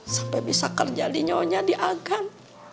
sampai bisa kerja di nyonya di agam